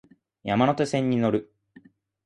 山手線に乗る